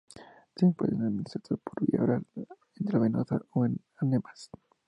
Se pueden administrar por vía oral, intravenosa o en enemas.